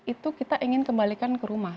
itu kita ingin kembalikan ke rumah